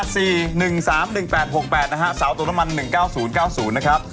สาวตัวมัน๑๙๐๙๐นะครับ